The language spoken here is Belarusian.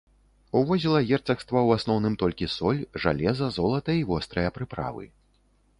Увозіла герцагства ў асноўным толькі соль, жалеза, золата і вострыя прыправы.